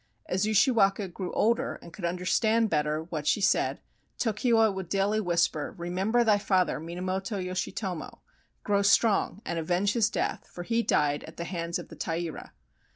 As Ushiwaka grew older and could under stand better what she said, Tokiwa would daily whisper, "Remember thy father, Minamoto Yoshitomo! Grow strong and avenge his death, for he died at the hands of the Taira!"